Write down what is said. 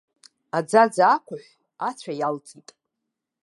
Аӡаӡа ақәыҳәҳә ацәа иалҵит.